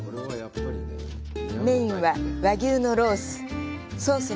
メインは和牛のロース。